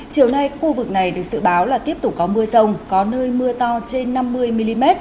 chiều nay khu vực này được dự báo là tiếp tục có mưa rông có nơi mưa to trên năm mươi mm